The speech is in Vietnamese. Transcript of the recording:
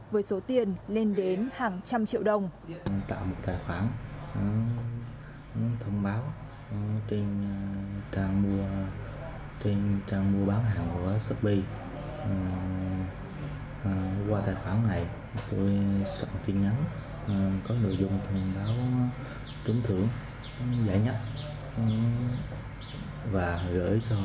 với số tiền lên đến hàng trăm triệu đồng